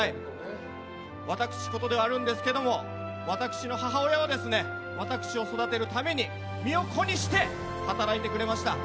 私事ではあるんですが私の母親は私を育てるために身を粉にして働いてくれました。